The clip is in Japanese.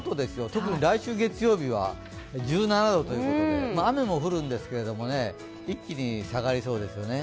特に来週月曜日は１７度ということで雨も降るんですけど、一気に下がりそうですよね。